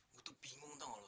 gue tuh bingung tau gak lo